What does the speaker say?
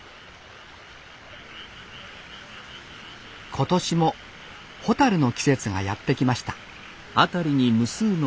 今年もホタルの季節がやって来ました